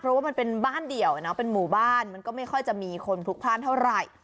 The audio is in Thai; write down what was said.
เพราะว่ามันเป็นบ้านเดี่ยวเป็นหมู่บ้านมันก็ไม่ค่อยจะมีคนพลุกพลาดเท่าไหร่